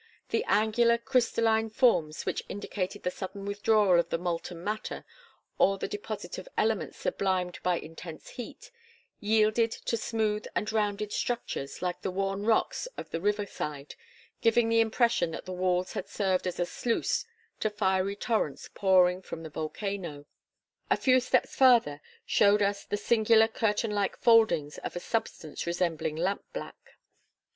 The angular crystalline forms which indicated the sudden withdrawal of the molten matter, or the deposit of elements sublimed by intense heat, yielded to smooth and rounded structures, like the worn rocks of the river side, giving the impression that the walls had served as a sluice to fiery torrents pouring from the volcano. A few steps farther showed us the singular curtain like foldings of a substance resembling lampblack.